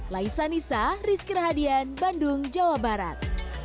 laisa nisa rizky rahadian bandung jawa barat